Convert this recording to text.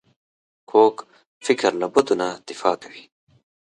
کوږ فکر له بدو نه دفاع کوي